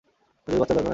আর যদি বাচ্চা দরকার হয়?